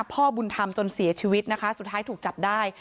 พ่อบุญธรรมจนเสียชีวิตนะคะสุดท้ายถูกจับได้